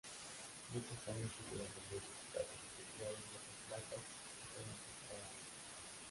Muchos años tuvieron nombres de ciudades que crearon muchas placas diferentes cada año.